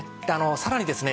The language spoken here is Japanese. さらにですね